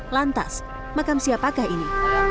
lantas makam siapakah ini